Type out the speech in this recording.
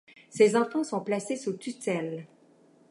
Ses enfants sont placés sous tutelle.